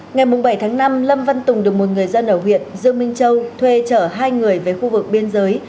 ngày bảy tháng năm lâm văn tùng được một người dân ở huyện dương minh châu thuê chở hai người về khu vực biên giới